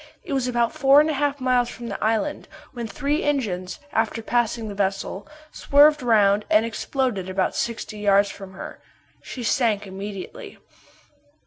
It was about four and a half miles from the island, when three engines, after passing the vessel, swerved round and exploded about sixty yards from her. She sank immediately.